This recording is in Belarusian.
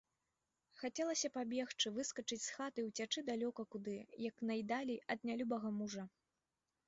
Хацелася пабегчы, выскачыць з хаты і ўцячы далёка куды, як найдалей ад нялюбага мужа.